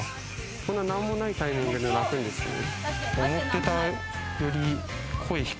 こんな何もないタイミングで鳴くんですね。